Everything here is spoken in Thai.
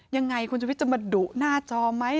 ยังไงคุณชุวิตจะมาดุหน้าจอไหม